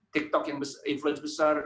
tiktok yang berinfluensi besar